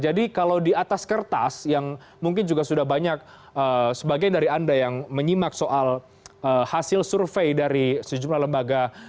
jadi kalau di atas kertas yang mungkin juga sudah banyak sebagian dari anda yang menyimak soal hasil survei dari sejumlah lembaga